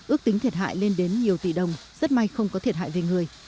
ước tính thiệt hại lên đến nhiều tỷ đồng rất may không có thiệt hại về người